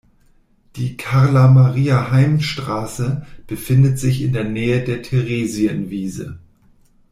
Die Carlamaria-Heim-Straße befindet sich in der Nähe der Theresienwiese.